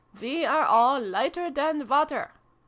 We are all lighter than water.